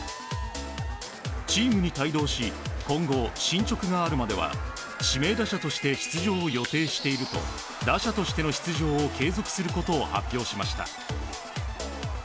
チームに帯同し、今後、進捗があるまでは、指名打者として出場を予定していると、打者としての出場を継続することを発表しました。